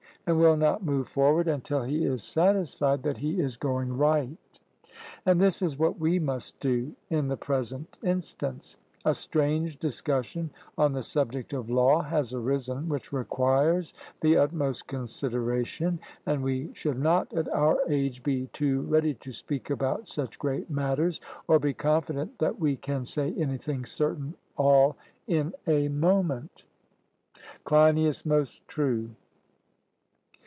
and will not move forward until he is satisfied that he is going right. And this is what we must do in the present instance: A strange discussion on the subject of law has arisen, which requires the utmost consideration, and we should not at our age be too ready to speak about such great matters, or be confident that we can say anything certain all in a moment. CLEINIAS: Most true.